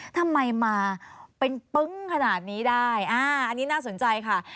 ทำไมมาเป็นปึ้งขนาดนี้ได้อันนี้น่าสนใจค่ะ